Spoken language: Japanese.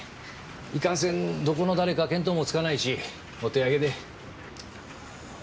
いかんせんどこの誰か見当もつかないしお手上げで。